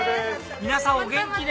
皆さんお元気で！